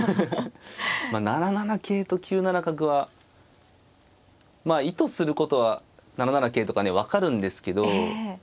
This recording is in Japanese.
７七桂と９七角はまあ意図することは７七桂とかね分かるんですけど。